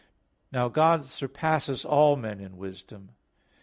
Now God surpasses all men in wisdom.